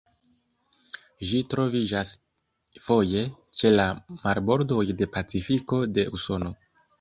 Ĝi troviĝas foje ĉe la marbordoj de Pacifiko de Usono.